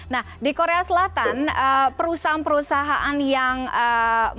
nah di korea selatan perusahaan perusahaan yang menaruh mbti itu